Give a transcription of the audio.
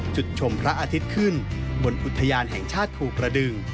จุดชมพระอาทิตย์ขึ้นบนอุทยานแห่งชาติภูกระดึง